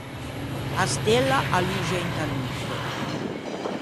A stella a luxe inta neutte.